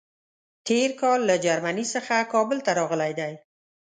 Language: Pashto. تېر کال له جرمني څخه کابل ته راغلی دی.